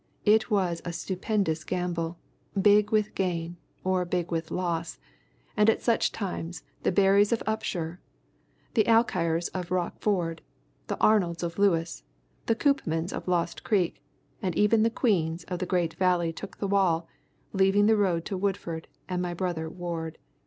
It was a stupendous gamble, big with gain, or big with loss, and at such times the Berrys of Upshur, the Alkires of Rock Ford, the Arnolds of Lewis, the Coopmans of Lost Creek, and even the Queens of the great Valley took the wall, leaving the road to Woodford and my brother Ward.